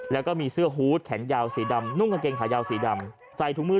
แล้วก็มีเสื้อฮูตแขนยาวสีดำนุ่งกางเกงขายาวสีดำใส่ถุงมือ